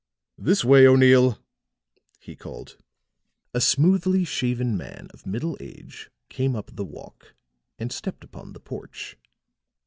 "This way, O'Neill," he called. A smoothly shaven man of middle age came up the walk and stepped upon the porch.